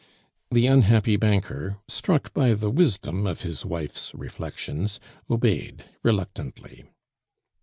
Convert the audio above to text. The unhappy banker, struck by the wisdom of his wife's reflections, obeyed reluctantly.